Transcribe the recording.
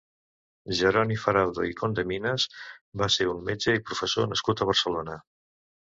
Jeroni Faraudo i Condeminas va ser un metge i professor nascut a Barcelona.